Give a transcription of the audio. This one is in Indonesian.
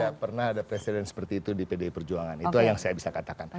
tidak pernah ada presiden seperti itu di pdi perjuangan itulah yang saya bisa katakan